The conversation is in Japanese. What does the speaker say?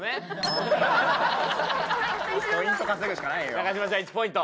中島じゃあ１ポイント。